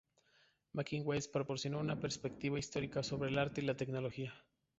Making Waves proporcionó una perspectiva histórica sobre el arte y la tecnología.